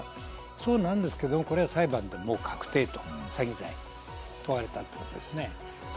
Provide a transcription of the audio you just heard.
そうなんですけれども、これはもう裁判で確定、詐欺罪に問われたということですね。